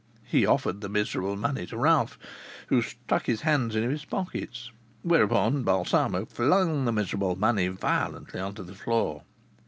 He offered the miserable money to Ralph, who stuck his hands in his pockets, whereupon Balsamo flung the miserable money violently on to the floor.